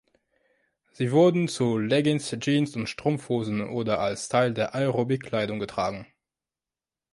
Sie wurden zu Leggings, Jeans und Strumpfhosen oder als Teil der Aerobic-Kleidung getragen.